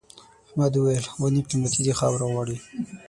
احمد وويل: ونې قيمتي دي خاوره غواړي.